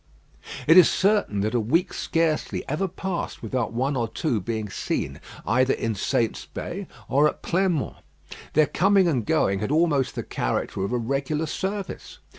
It is certain that a week scarcely ever passed without one or two being seen either in Saint's Bay or at Pleinmont. Their coming and going had almost the character of a regular service.